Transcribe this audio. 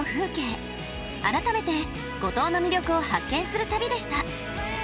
改めて五島の魅力を発見する旅でした。